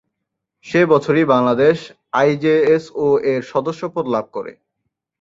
সে বছরই বাংলাদেশ আইজেএসও-এর সদস্যপদ লাভ করে।